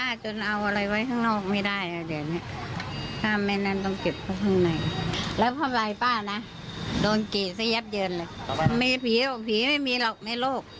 ไอ้เศษมนุษย์นี่แหละ